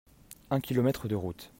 Un kilomètre de route.